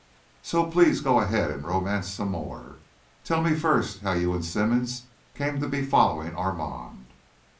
So please go ahead and romance some more. Tell me first how you and Simmonds came to be following Armand."